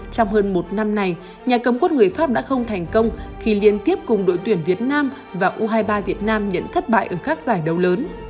trong hơn một năm nay nhà cấm quân quất người pháp đã không thành công khi liên tiếp cùng đội tuyển việt nam và u hai mươi ba việt nam nhận thất bại ở các giải đấu lớn